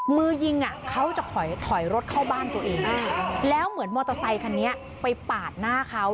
มือยิงอ่ะเขาจะถอยถอยรถเข้าบ้านตัวเองแล้วเหมือนมอเตอร์ไซคันนี้ไปปาดหน้าเขา